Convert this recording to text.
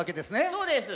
そうです！